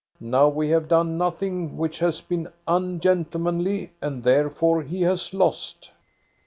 Now we have done nothing which has been ungentle manly, and therefore he has lost."